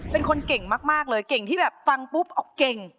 เป็นคนเก่งมากเลยเก่งที่แบบฟังปุ๊บออกเก่ง